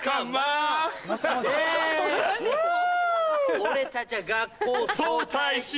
俺たちゃ学校早退し